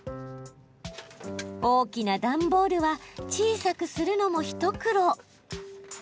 大きな段ボールは小さくするのも一苦労。